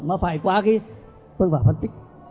mà phải qua cái phương pháp phân tích